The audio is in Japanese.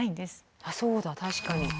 あっそうだ確かに。